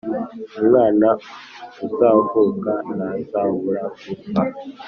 umwana uzavuka ntazabura gupfa.